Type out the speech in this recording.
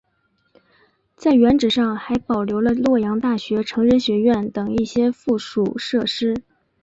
在原址上还保留了洛阳大学成人学院等一些附属设施。